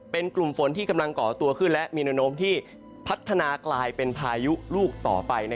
เป็นกลุ่มฝนที่กำลังก่อตัวขึ้นและมีแนวโน้มที่พัฒนากลายเป็นพายุลูกต่อไป